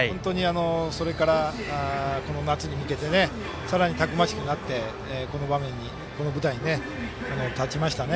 それから、この夏に向けてさらに、たくましくなってこの舞台に立ちましたね。